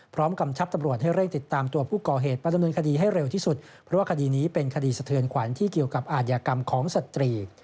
กำชับตำรวจให้เร่งติดตามตัวผู้ก่อเหตุมาดำเนินคดีให้เร็วที่สุดเพราะว่าคดีนี้เป็นคดีสะเทือนขวัญที่เกี่ยวกับอาทยากรรมของสตรี